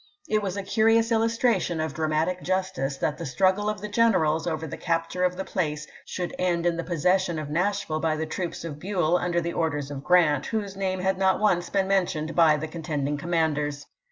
It was a curious illus tration of dramatic justice that the struggle of the generals over the capture of the place should end in the possession of Nashville by the troops of Buell under the orders of Grant, whose name had not once been mentioned by the contending com manders.